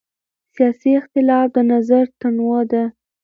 سیاسي اختلاف د نظر تنوع ده